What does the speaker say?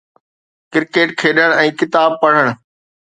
Cricket کيڏڻ ۽ ڪتاب پڙهڻ.